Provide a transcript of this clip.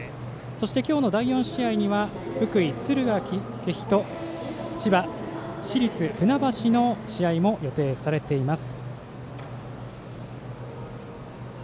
そして今日の第４試合には福井、敦賀気比と千葉、市立船橋の試合も予定されています。